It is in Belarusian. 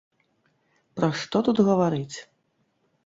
Пра што тут гаварыць?